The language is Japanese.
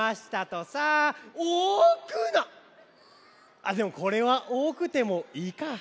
あっでもこれはおおくてもいいか。